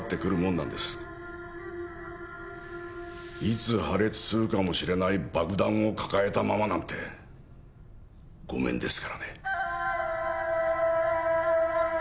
いつ破裂するかもしれない爆弾を抱えたままなんてごめんですからね。